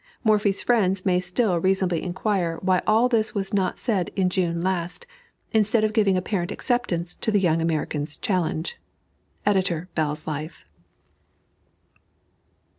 Morphy's friends may still reasonably inquire why all this was not said in June last, instead of giving apparent acceptance to the young American's challenge. EDITOR BELL'S LIFE.